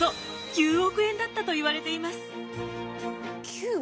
９億！